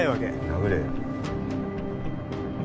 殴れよ。